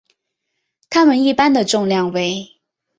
它们一般的重量为。